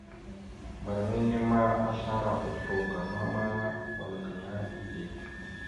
Mbarŋa enne ma, aslara oslo gaŋa ma, wal gaŋa ide.